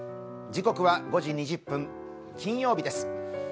時刻は５時２０分、金曜日です。